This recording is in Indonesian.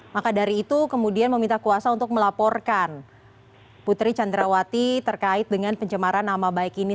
maka dari itu kemudian meminta kuasa untuk melaporkan putri candrawati terkait dengan pencemaran nama baik ini